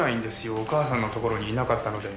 お母さんのところにいなかったので。